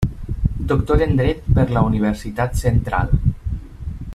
Doctor en dret per la Universitat Central.